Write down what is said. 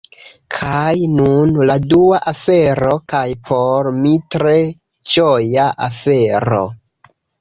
Kaj nun, la dua afero kaj por mi tre ĝoja afero!